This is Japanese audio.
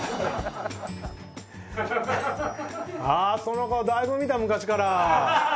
ああその顔だいぶ見た昔から。